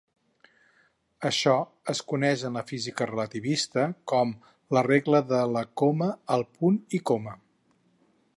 Això es coneix en la física relativista com la "regla de la coma al punt i coma".